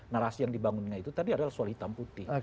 narasi yang dibangunnya itu tadi adalah soal hitam putih